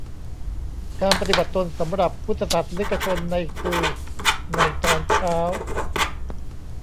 การปฏิบัติตนสำหรับพุทธศาสนิกชนใน คือ ในตอนเช้า